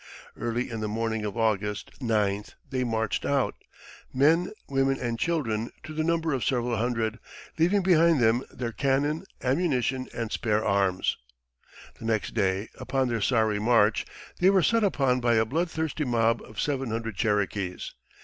Early in the morning of August ninth they marched out men, women, and children to the number of several hundred leaving behind them their cannon, ammunition, and spare arms. The next day, upon their sorry march, they were set upon by a bloodthirsty mob of seven hundred Cherokees.